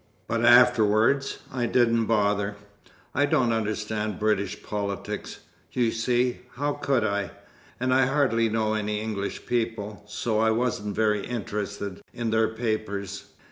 But afterwards I didn't bother. I don't understand British politics, you see how could I? and I hardly know any English people, so I wasn't very interested in their papers."